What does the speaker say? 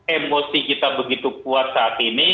emosi kita begitu kuat saat ini